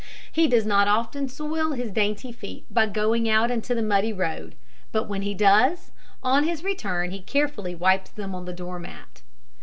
He does not often soil his dainty feet by going out into the muddy road; but when he does, on his return he carefully wipes them on the door mat.